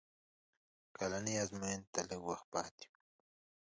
کلنۍ ازموینې ته لږ وخت پاتې و